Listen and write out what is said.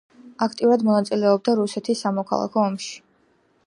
აქტიურად მონაწილეობდა რუსეთის სამოქალაქო ომში.